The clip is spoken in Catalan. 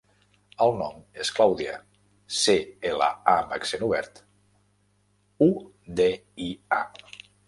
El nom és Clàudia: ce, ela, a amb accent obert, u, de, i, a.